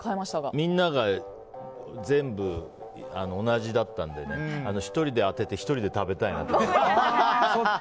みんなが全部、同じだったので１人で当てて１人で食べたいなと。